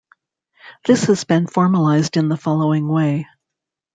This has been formalized in the following way.